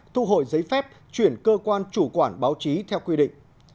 thu hồi giấy phép chuyển cơ quan chủ quản báo chí theo quy định